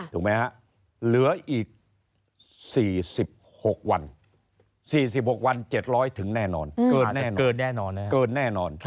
ถูกไหมฮะเหลืออีก๔๖วัน๔๖วัน๗๐๐ถึงแน่นอนเกินแน่นอน